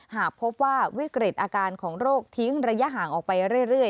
หากพบว่าวิกฤตอาการของโรคทิ้งระยะห่างออกไปเรื่อย